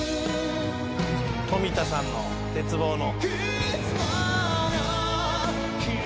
冨田さんの鉄棒の。